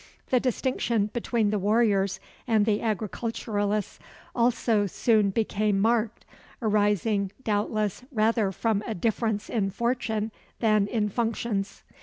The distinction between the warriors and the agriculturists also soon became marked, arising doubtless rather from a difference in fortune than in functions.